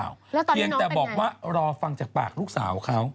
แล้วตอนนี้น้องเป็นยังไงเพียงแต่บอกว่ารอฟังจากปากลูกสาวเขา